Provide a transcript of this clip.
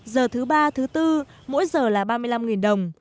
giờ thứ ba thứ bốn mỗi giờ là ba mươi năm đồng